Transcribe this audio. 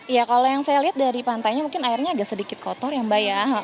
ya kalau yang saya lihat dari pantainya mungkin airnya agak sedikit kotor ya mbak ya